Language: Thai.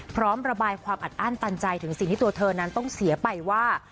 พร้อมระบายความอัดอั้นตันใจถึงสิ่งที่ตัวเธอนั้นต้องเสียไปว่า